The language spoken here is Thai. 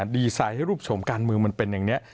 ดีไซน์ให้รูปชมการเมืองมันเป็นอย่างนี้